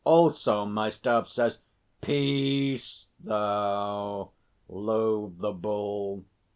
Also my staff says " "Peace, thou," lowed the Bull.